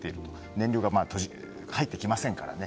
燃料が入ってきませんからね。